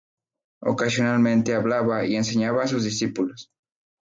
Ocasionalmente hablaba y enseñaba a sus discípulos.